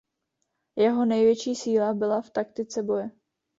Jeho největší síla byla v taktice boje.